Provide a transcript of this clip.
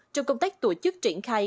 trong công tác tổ chức triển khai